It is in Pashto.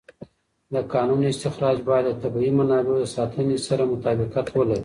د کانونو استخراج باید د طبیعي منابعو د ساتنې سره مطابقت ولري.